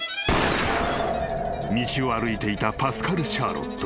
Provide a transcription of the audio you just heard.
［道を歩いていたパスカル・シャーロット。